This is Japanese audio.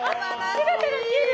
姿が見える。